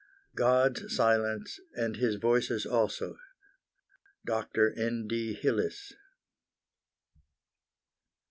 GOD'S SILENCE AND HIS VOICES ALSO. DR. N. D. HILLIS.